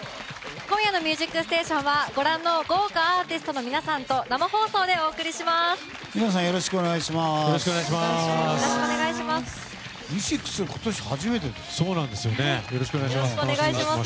今夜の「ミュージックステーション」はご覧の豪華アーティストの皆さんと生放送でお送りします。